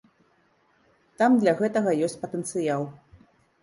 Там для гэтага ёсць патэнцыял.